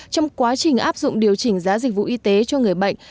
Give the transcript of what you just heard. trong quá trình áp dụng điều chỉnh giá dịch vụ y tế cho người bệnh